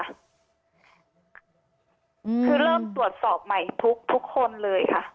คือเริ่มตรวจสอบใหม่ทุกคนเลยค่ะ